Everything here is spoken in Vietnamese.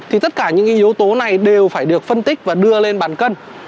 thì tất cả những yếu tố này đều phải được phân tích và đưa lên bàn cân